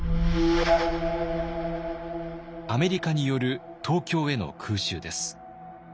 アメリカによる東京への空襲です。